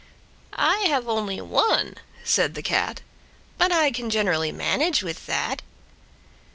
"I have only one," said the Cat; "but I can generally manage with that."